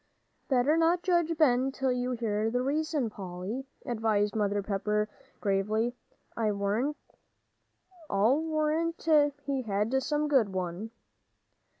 "Better not judge Ben till you hear the reason, Polly," advised Mother Pepper, gravely. "I'll warrant he had some good one."